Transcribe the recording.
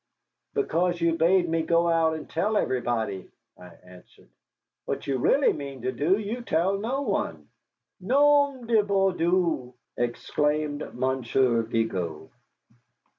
"Because you bade me go out and tell everybody," I answered. "What you really mean to do you tell no one." "Nom du bon Dieu!" exclaimed Monsieur Vigo.